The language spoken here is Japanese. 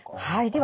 はい。